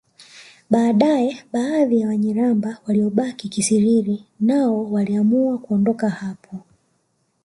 Baadaye baadhi ya Wanyiramba waliobaki Kisiriri nao waliamua kuondoka hapo